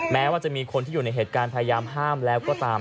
แม้ว่าจะมีคนที่อยู่ในเหตุการณ์พยายามห้ามแล้วก็ตาม